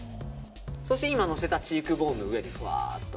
そして今のせたチークボーンの上に。